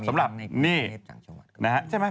สำหรับนี่ใช่ไหม